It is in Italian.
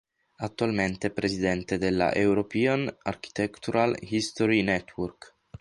Attualmente è presidente della European Architectural History Network.